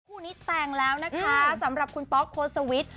คู่นี้แต่งแล้วนะคะสำหรับคุณป๊อกโคสวิทย์